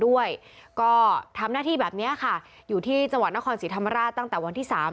ด้วยก็ทำหน้าที่แบบเนี้ยค่ะอยู่ที่จังหวัดนครศรีธรรมราชตั้งแต่วันที่สาม